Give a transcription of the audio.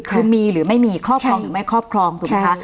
คือมีหรือไม่มีครอบครองหรือไม่ครอบครองถูกไหมคะ